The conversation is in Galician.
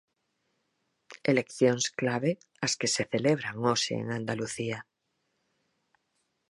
Eleccións clave as que se celebran hoxe en Andalucía.